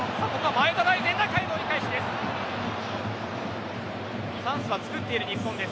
前田大然の深い折り返しです。